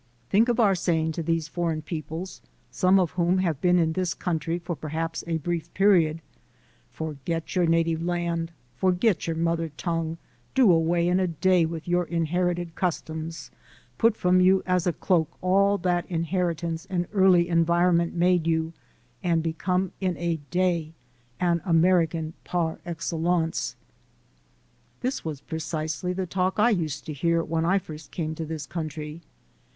Think of our saying to these foreign peoples, some of whom have been in this country for perhaps a brief period: Forget your native land, forget your mother tongue, do away in a day with your inherited customs, put from you as a cloak all that inheritance and early environment made you and become in a day an American par excellence. This was precisely the talk I used to hear when I first came to this country.